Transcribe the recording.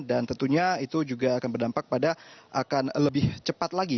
dan tentunya itu juga akan berdampak pada akan lebih cepat lagi